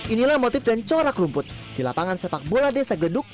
inilah motif dan corak rumput di lapangan sepak bola desa geduk